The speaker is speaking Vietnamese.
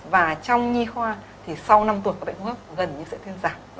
và trong nhi khoa thì sau năm tuổi có bệnh hước gần như sẽ thiên giảm